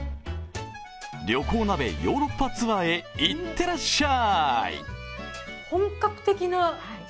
旅行鍋ヨーロッパツアーへいってらっしゃい。